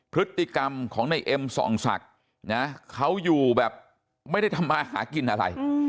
พฤติกรรมของในเอ็มส่องศักดิ์นะเขาอยู่แบบไม่ได้ทำมาหากินอะไร